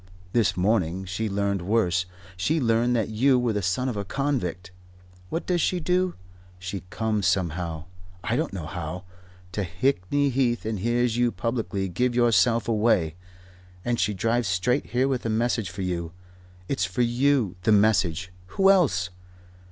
This morning she learned worse. She learned that you were the son of a convict. What does she do? She comes somehow I don't know how to Hickney Heath and hears you publicly give yourself away and she drives straight here with a message for you. It's for you, the message. Who else?"